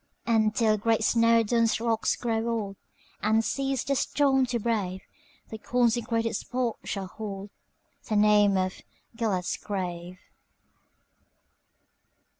And, till great Snowdon's rocks grow old, And cease the storm to brave, The consecrated spot shall holdThe name of "Gêlert's Grave."